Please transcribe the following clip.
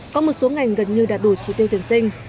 có một số ngành gần như đạt đủ trị tiêu tuyển sinh